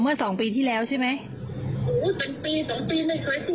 เมื่อสองปีที่แล้วใช่ไหม